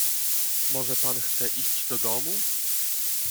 "Może pan chce iść do domu?"